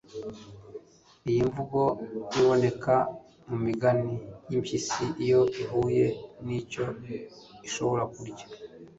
iyi mvugo iboneka mu migani y'impyisi iyo ihuye n'icyo ishobora kurya